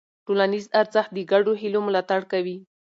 ټولنیز ارزښت د ګډو هيلو ملاتړ کوي.